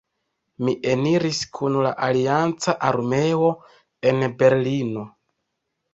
Li eniris kun la alianca armeo en Berlino.